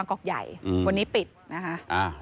คนนี้ปิดนะครับ